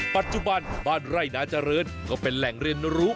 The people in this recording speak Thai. ปัจจุบันบ้านไร่นาเจริญก็เป็นแหล่งเรียนรู้